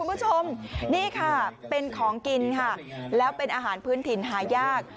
คุณผู้ชมนี่ค่ะเป็นของกินค่ะแล้วเป็นอาหารพื้นถิ่นหายาก